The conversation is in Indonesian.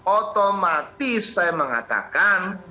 otomatis saya mengatakan